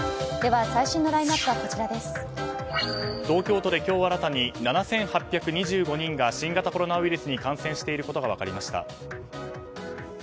東京都で今日新たに７８２５人が新型コロナウイルスに感染していることが分かりました。